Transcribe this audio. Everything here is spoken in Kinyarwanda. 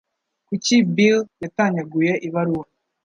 Kuki Bill yatanyaguye ibaruwa?